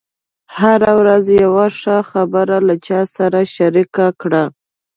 هره ورځ یوه ښه خبره له چا سره شریکه کړه.